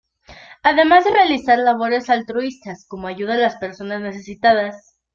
Además de realizar labores altruistas como ayuda a las personas necesitadas.